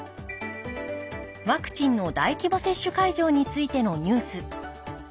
ワクチンの大規模接種会場についてのニュース。